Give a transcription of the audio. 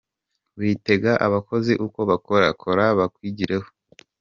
Witegeka abakozi uko bakora, kora bakwigireho.